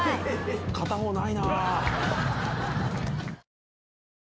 片方ないなぁ。